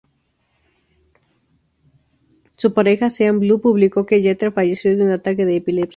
Su pareja Sean Blue publicó que Jeter falleció de un ataque de epilepsia.